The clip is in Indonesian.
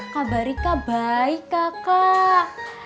kabar rika baik kakak